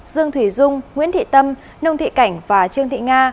dương thủy dung nguyễn thị tâm nông thị cảnh và trương thị nga